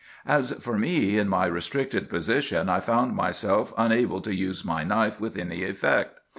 As for me, in my restricted position, I found myself unable to use my knife with any effect.